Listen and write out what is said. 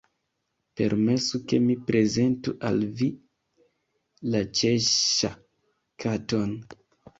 Permesu ke mi prezentu al vi la Ĉeŝŝa_ Katon."